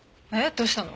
どうしたの？